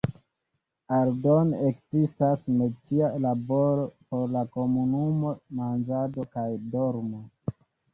Aldone ekzistas metia laboro por la komunumo, manĝado kaj dormo.